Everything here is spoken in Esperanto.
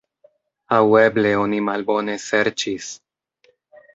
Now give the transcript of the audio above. Aŭ eble oni malbone serĉis.